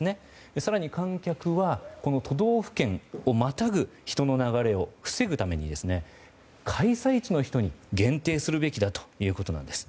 更に観客は都道府県をまたぐ人の流れを防ぐために、開催地の人に限定するべきだということなんです。